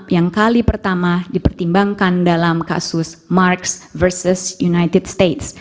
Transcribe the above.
yang kali pertama dipertimbangkan dalam kasus marks versus united states